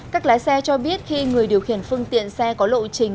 các lái xe cho biết khi người điều khiển phương tiện xe có lộ trình